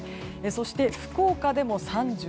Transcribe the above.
そして、福岡でも３３度。